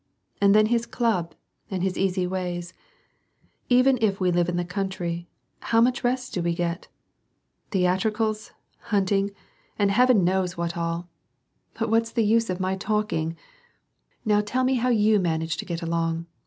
And then his club, and his easy ways. Even if we live in the country, how much rest do we get ? Theatricals, hunting, and heaven * Uu train que nous allons. 54 WAR AND PEACE. knows what all. But what's the use of my talking !— Now tell me how you manage to get along.